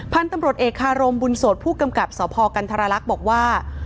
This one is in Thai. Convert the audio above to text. พันธุ์ตำรวจเอกคารมบุญโสดผู้กำกับสพกันธรรลักษณ์บอกว่า